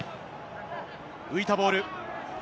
浮いたボール。